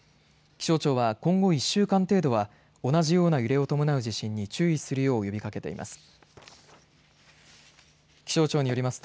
気象庁は今後１週間程度は同じような揺れを伴う地震に注意するよう呼びかけています。